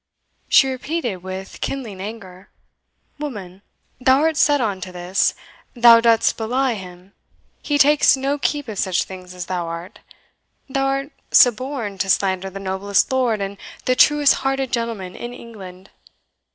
she repeated with kindling anger. "Woman, thou art set on to this thou dost belie him he takes no keep of such things as thou art. Thou art suborned to slander the noblest lord and the truest hearted gentleman in England!